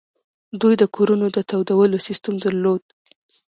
دوی د کورونو د تودولو سیستم درلود